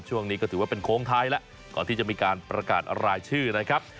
ช่วงนี้ก็ถือว่าเป็นโค้งท้ายแล้วก่อนที่จะมีการประกาศรายชื่อนะครับ